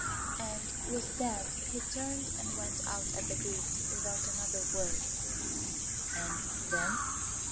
And with that he turned and went out at the gate without another word." "And then?"